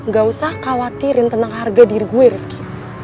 gak usah khawatirin tentang harga diri gue rifki